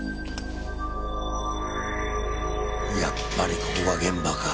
やっぱりここが現場か。